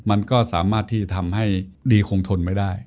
มันก็สามารถที่จะทำให้ดีคงทนไม่ได้